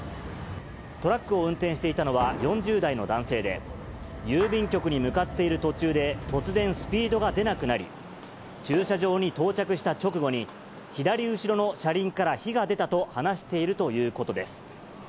トラックを運転していたのは４０代の男性で、郵便局に向かっている途中で、突然、スピードが出なくなり、駐車場に到着した直後に、左後ろの車輪から火が出たと話しているということです。